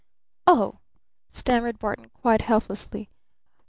"Oh!" stammered Barton quite helplessly.